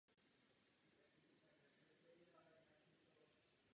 Střední loď je zaklenuta dvěma poli křížových kleneb.